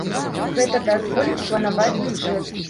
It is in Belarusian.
Гэта дазволіць планаваць бюджэт.